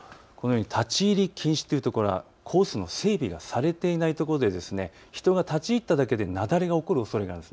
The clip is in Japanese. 立ち入り禁止というところはコースの整備がされていないところで人が立ち入っただけで雪崩が起こるおそれがあるんです。